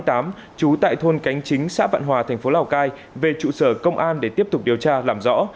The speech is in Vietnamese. trú tại thôn cánh chính xã vạn hòa thành phố lào cai về trụ sở công an để tiếp tục điều tra làm rõ